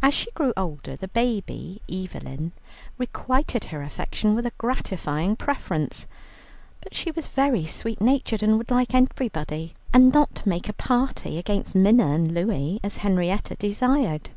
As she grew older the baby Evelyn requited her affection with a gratifying preference, but she was very sweet natured and would like everybody, and not make a party against Minna and Louie as Henrietta desired.